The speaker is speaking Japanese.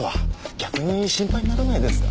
逆に心配にならないですか？